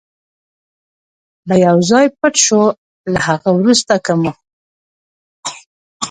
به یو ځای پټ شو، له هغه وروسته که مو.